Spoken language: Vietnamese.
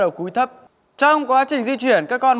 trong quá trình di chuyển các con bắt đầu che miệng mũi cuối thấp